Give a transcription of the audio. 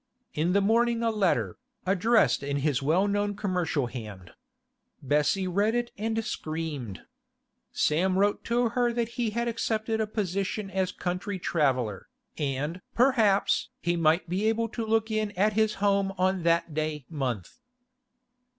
In the morning a letter, addressed in his well known commercial hand. Bessie read it and screamed. Sam wrote to her that he had accepted a position as country traveller, and perhaps he might be able to look in at his home on that day month.